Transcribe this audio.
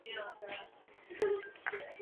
长刀光鱼的图片